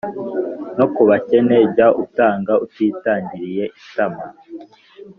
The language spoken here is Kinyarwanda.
No ku bakene, jya utanga utitangiriye itama,